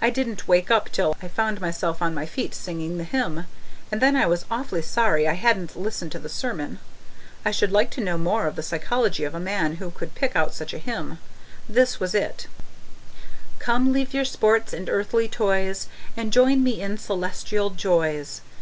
I didn't wake up till I found myself on my feet singing the hymn, and then I was awfully sorry I hadn't listened to the sermon; I should like to know more of the psychology of a man who would pick out such a hymn. This was it: Come, leave your sports and earthly toys And join me in celestial joys.